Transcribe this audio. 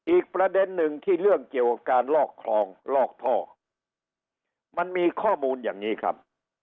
อีกประเด็นหนึ่งที่เรื่องเกี่ยวกับการลอกคลองลอกท่อมันมีข้อมูลอย่างนี้ครับ